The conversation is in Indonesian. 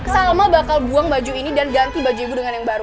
salma bakal buang baju ini dan ganti baju ibu dengan yang baru